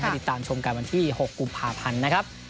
ติดตามชมกันวันที่๖กุมภาพันธ์นะครับ